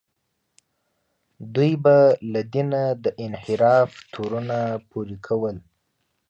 دوی به له دینه د انحراف تورونه پورې کول.